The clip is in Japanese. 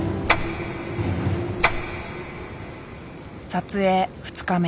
撮影２日目。